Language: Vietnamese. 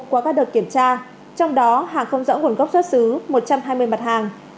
qua các đợt kiểm tra trong đó hàng không rõ nguồn gốc xuất xứ một trăm hai mươi mặt hàng